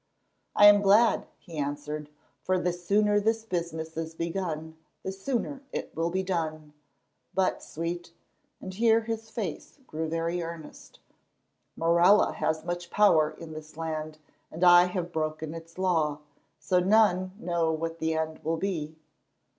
"I am glad," he answered, "for the sooner this business is begun the sooner it will be done. But, Sweet," and here his face grew very earnest, "Morella has much power in this land, and I have broken its law, so none know what the end will be.